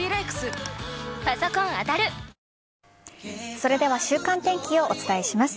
それでは週間天気をお伝えします。